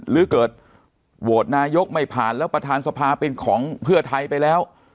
หรือเกิดโหวตนายกไม่ผ่านแล้วประธานสภาเป็นของเพื่อไทยไปแล้ว